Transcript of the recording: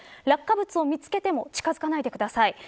落下物を見つけても近づかないでください。